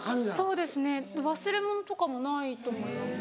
そうですね忘れ物とかもないと思います。